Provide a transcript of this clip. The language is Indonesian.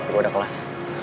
gue udah kelas